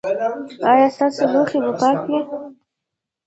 ایا ستاسو لوښي به پاک وي؟